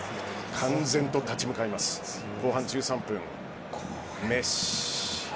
敢然と立ち向かいます後半１３分。